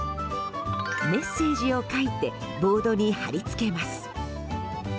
メッセージを書いてボードに貼り付けます。